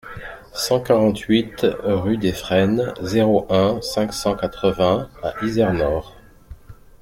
cent quarante-huit rue des Frênes, zéro un, cinq cent quatre-vingts à Izernore